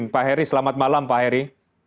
pak heri selamat malam pak heri